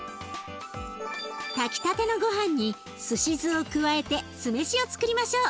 炊きたてのごはんにすし酢を加えて酢飯をつくりましょう。